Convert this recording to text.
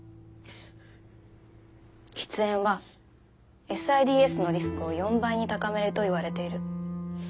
喫煙はＳＩＤＳのリスクを４倍に高めるといわれている。